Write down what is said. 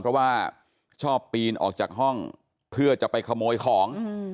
เพราะว่าชอบปีนออกจากห้องเพื่อจะไปขโมยของ